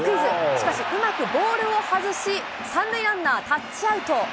しかし、うまくボールを外し、３塁ランナータッチアウト。